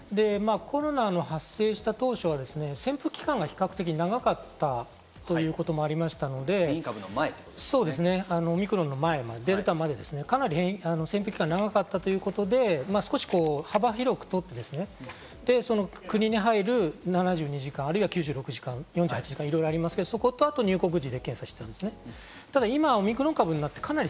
コロナの発生した当初は潜伏期間が比較的長かったということもありましたので、オミクロンの前まで、デルタまでですね、かなり潜伏期間が長かったということで、幅広くとって国に入る７２時間、あるいは９６時間、４８時間、いろいろありますが、そこと入国時に検査。